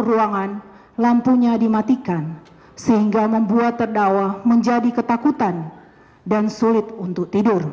ruangan lampunya dimatikan sehingga membuat terdakwa menjadi ketakutan dan sulit untuk tidur